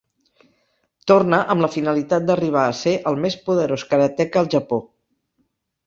Torna amb la finalitat d'arribar a ser el més poderós karateka al Japó.